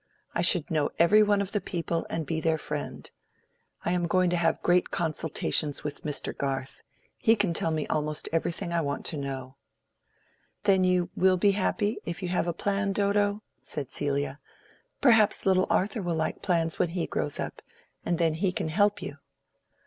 I should know every one of the people and be their friend. I am going to have great consultations with Mr. Garth: he can tell me almost everything I want to know." "Then you will be happy, if you have a plan, Dodo?" said Celia. "Perhaps little Arthur will like plans when he grows up, and then he can help you."